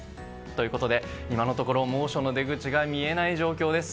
今のところ、猛暑の出口が見えない状況です。